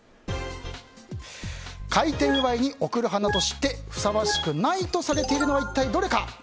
開店祝いに贈る花としてふさわしくないとされているのは一体どれか。